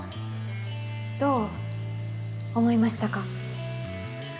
どう思いましたか？